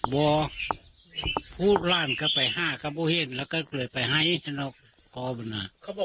บ่พูดร้านก็ไปห้าก็บุเห้นแล้วก็เลยไปไห้นอกกอบน่ะ